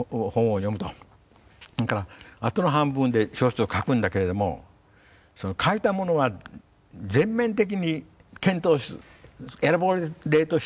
それからあとの半分で小説を書くんだけれども書いたものは全面的に検討するエラボレイトして作品化すると。